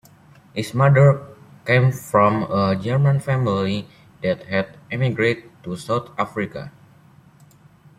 His mother came from a German family that had emigrated to South Africa.